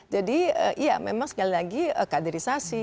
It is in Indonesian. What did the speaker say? jadi iya memang sekali lagi keadilisasi